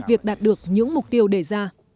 việc đạt được những mục tiêu đề ra